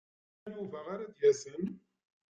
Ala Yuba ara d-yasen.